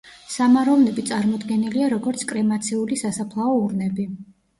სამაროვნები წარმოდგენილია როგორც კრემაციული სასაფლაო ურნები.